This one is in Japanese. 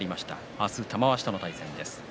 明日は玉鷲との対戦です。